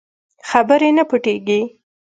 خبرې نه پټېږي.